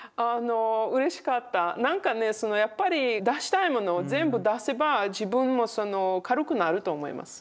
なんかねそのやっぱり出したいものを全部出せば自分も軽くなると思います。